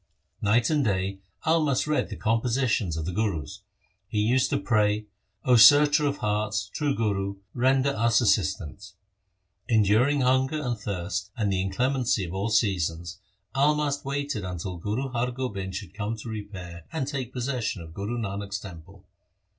Night and day Almast read the compositions of the Gurus. He used to pray, ' 0 searcher of hearts, true Guru, render us assistance.' Enduring hunger and thirst and the inclemency of all seasons, Almast waited until Guru Har Gobind should come to repair and take possession of Guru Nanak's temple.